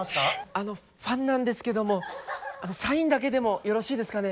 あのファンなんですけどもサインだけでもよろしいですかね？